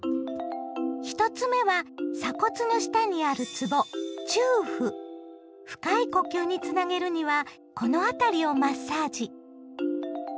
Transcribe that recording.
１つ目は鎖骨の下にあるつぼ深い呼吸につなげるにはこの辺りをマッサージ。